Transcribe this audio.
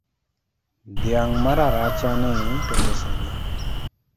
Dhiang’ mararachani to pesadi?